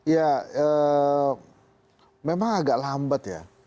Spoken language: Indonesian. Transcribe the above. ya memang agak lambat ya